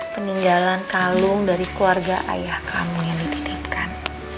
peninggalan kalung dari keluarga ayah kamu yang dititipkan